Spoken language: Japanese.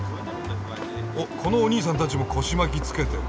おこのおにいさんたちも腰巻きつけてる。